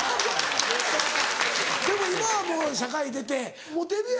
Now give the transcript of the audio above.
でも今はもう社会出てモテるやろ？